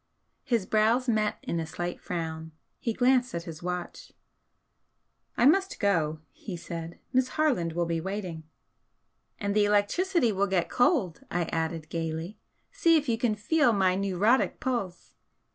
His brows met in a slight frown. He glanced at his watch. "I must go," he said "Miss Harland will be waiting." "And the electricity will get cold!" I added, gaily. "See if you can feel my 'neurotic' pulse!"